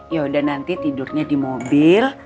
yaudah nanti tidurnya di mobil